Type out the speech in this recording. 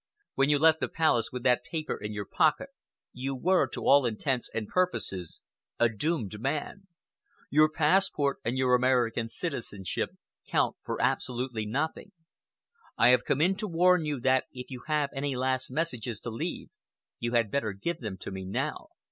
When you left the Palace with that paper in your pocket, you were, to all intents and purposes, a doomed man. Your passport and your American citizenship count for absolutely nothing. I have come in to warn you that if you have any last messages to leave, you had better give them to me now."